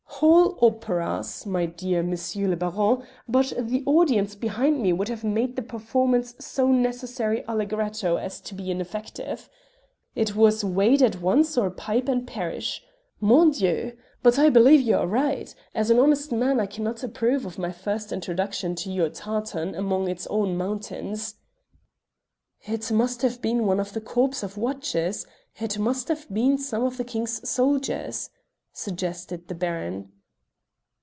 "Whole operas, my dear M. le Baron, but the audience behind me would have made the performance so necessarily allegretto as to be ineffective. It was wade at once or pipe and perish. Mon Dieu! but I believe you are right; as an honest man I cannot approve of my first introduction to your tartan among its own mountains." "It must have been one of the corps of watches; it must have been some of the king's soldiers," suggested the Baron.